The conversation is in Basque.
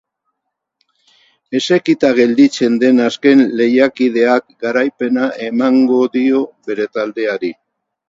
Esekita gelditzen den azken lehiakideak garaipena emango dio bere taldeari.